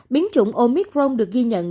biến chủng omicron được ghi nhận